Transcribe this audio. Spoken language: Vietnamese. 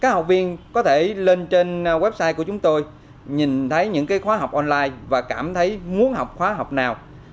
các học viên có thể lên trên website của chúng tôi nhìn thấy những khóa học online và cảm thấy muốn học khóa học nào